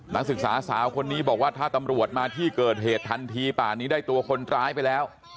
นักศึกษาสาวคนนี้บอกว่าถ้าตำรวจมาที่เกิดเหตุทันทีป่านี้ได้ตัวคนร้ายไปแล้ว